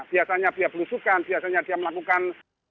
biasanya dia belusukan biasanya dia melakukan